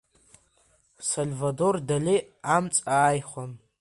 Сальвадор Дали амҵ ааихон.